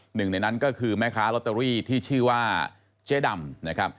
หนึ่งในนั้นก็คือแม่ค้าลอตเตอรี่ที่ชื่อว่าเจ๊ดำนะครับ